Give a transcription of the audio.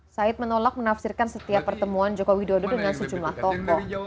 syed menolak menafsirkan setiap pertemuan joko widodo dengan sejumlah tokoh